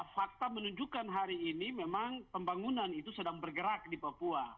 fakta menunjukkan hari ini memang pembangunan itu sedang bergerak di papua